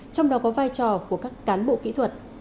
trong đó có vai trò của các cán bộ kỹ thuật